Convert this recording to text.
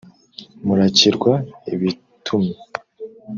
murakirwa ubitumye